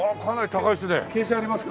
高いですね。